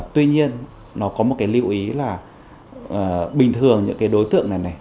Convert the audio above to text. tuy nhiên nó có một cái lưu ý là bình thường những cái đối tượng này này